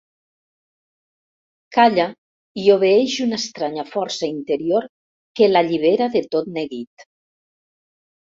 Calla i obeeix una estranya força interior que l'allibera de tot neguit.